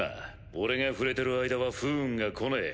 俺が触れてる間は不運がこねぇ。